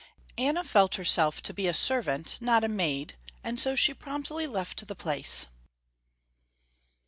Anna felt herself to be a servant, not a maid, and so she promptly left the place.